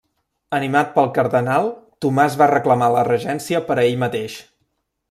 Animat pel cardenal, Tomàs va reclamar la regència per a ell mateix.